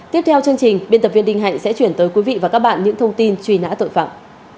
tiếp theo chương trình biên tập viên đinh hạnh sẽ chuyển tới quý vị và các bạn những thông tin truy nã tội phạm